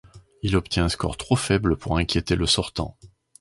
Il obtient un score trop faible pour inquiéter le sortant.